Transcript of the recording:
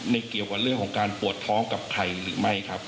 เกี่ยวกับเรื่องของการปวดท้องกับใครหรือไม่ครับ